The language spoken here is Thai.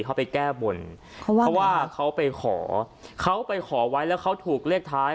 เขาไปแก้บนเพราะว่าเขาไปขอเขาไปขอไว้แล้วเขาถูกเลขท้าย